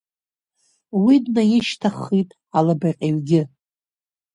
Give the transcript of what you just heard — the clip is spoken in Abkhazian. Уи днаишьҭаххит алабаҟьаҩгьы.